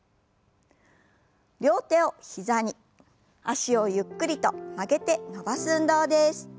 両手を膝に脚をゆっくりと曲げて伸ばす運動です。